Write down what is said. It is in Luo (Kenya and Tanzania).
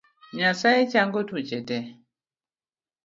Nyasye chango tuoche te.